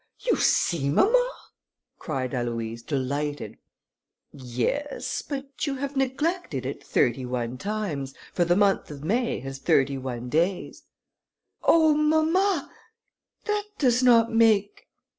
"You see, mamma!" cried Aloïse, delighted. "Yes, but you have neglected it thirty one times, for the month of May has thirty one days." "Oh! mamma, that does not make...."